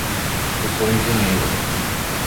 Eu sou engenheiro.